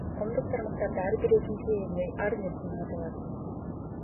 Коомдук тармактарда ар бир экинчи ар нерсени айта алат.